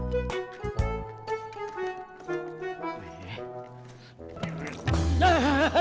dua dua dua dua dua dua